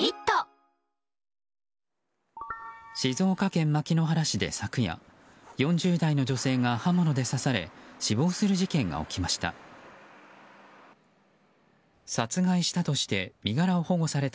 静岡県牧之原市で昨夜４０代の女性が刃物で刺され死亡する事件が起きました。